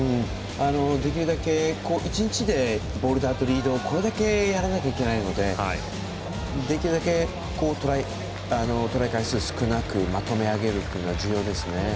１日でボルダーとリードをこれだけやらなきゃいけないのでできるだけトライ回数少なくまとめ上げるというのが重要ですね。